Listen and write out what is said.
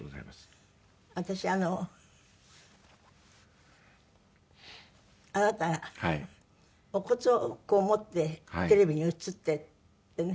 私あのあなたがお骨をこう持ってテレビに映っててね